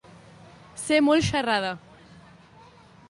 Ser molt xerrada.